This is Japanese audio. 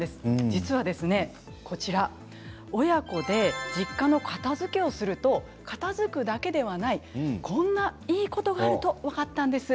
実は親子で実家の片づけをすると片づくだけではないこんないいことがあると分かったんです。